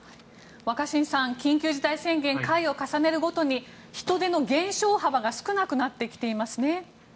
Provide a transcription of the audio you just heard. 若新さん、緊急事態宣言回を重ねるごとに人出の減少幅が少なくなってきていますね。